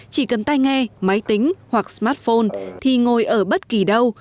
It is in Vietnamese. chỉ cần tay nghe máy tính hoặc smartphone thì ngồi ở bất kỳ đâu